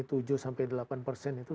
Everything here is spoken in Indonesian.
itu sudah luar biasa